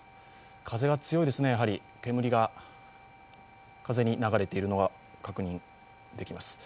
風が強いですね、煙が風に流れているのが確認できます。